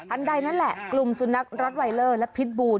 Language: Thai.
อันใดนั่นแหละกลุ่มสุนัขร็ตไวเลอร์และพิษบูร